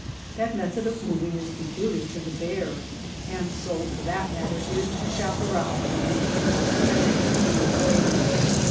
That method of moving is peculiar to the bear, and so for that matter is the chaparral through which you are tearing your way.